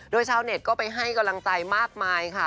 โดยชาวเน็ตก็ไปให้กำลังใจมากมายค่ะ